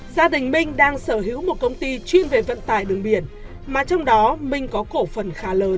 gia đình minh đang sở hữu một công ty chuyên về vận tải đường biển mà trong đó minh có cổ phần khá lớn